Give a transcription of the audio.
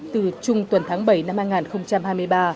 từ trung tuần tháng bảy năm hai nghìn hai mươi ba